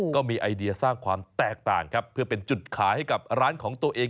ก็มีไอเดียสร้างความแตกต่างครับเพื่อเป็นจุดขายให้กับร้านของตัวเอง